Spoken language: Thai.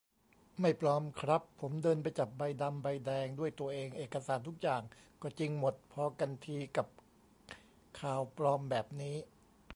ไม่ปลอมครับ ผมเดินไปจับใบดำใบแดงด้วยตัวเอง เอกสารทุกอย่างก็จริงหมด พอกันทีกับข่าวปลอมแบบนี้